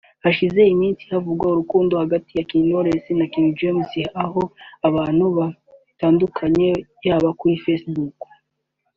Hashize iminsi havugwa urukundo hagati y’abahanzi Knowless na King James aho abantu batandukanye yaba kuri Facebook